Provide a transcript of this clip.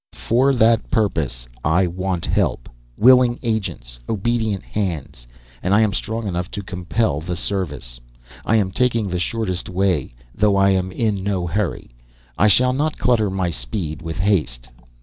For that purpose I want help willing agents, obedient hands; and I am strong enough to compel the service. I am taking the shortest way, though I am in no hurry. I shall not clutter my speed with haste.